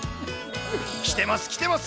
きてます、きてます。